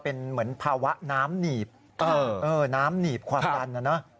เป็นเหมือนภาวะน้ำหนีบความดันเนอะ